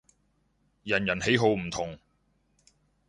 人人喜好唔同